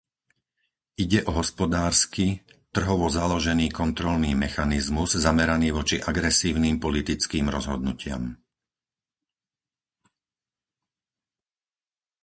Ide o hospodársky, trhovo založený kontrolný mechanizmus zameraný voči agresívnym politickým rozhodnutiam.